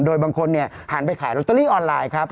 โดยบางคนเนี่ยหันไปขายลอตเตอรี่ออนไลน์ครับ